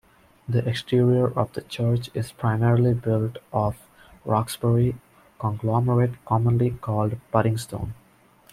The exterior of the church is primarily built of Roxbury Conglomerate commonly called puddingstone.